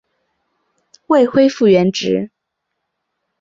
未恢复原职